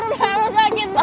aduh beneran sakit pak